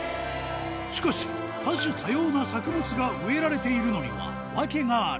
しかし、多種多様な作物が植えられているのには、訳がある。